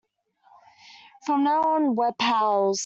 From now on we're pals.